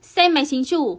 xe máy chính chủ